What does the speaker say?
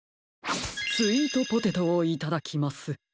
スイートポテトをいただきます！